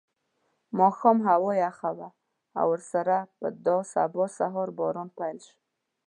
ماښام هوا یخه شوه او ورسره په دا سبا سهار باران پیل شو.